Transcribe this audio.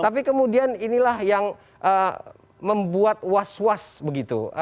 tapi kemudian inilah yang membuat was was begitu